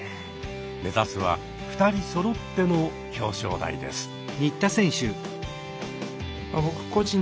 目指すは２人そろっての表彰台です。